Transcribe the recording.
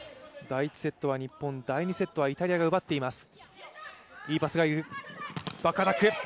第１セットは日本、第２セットはイタリアが奪っています。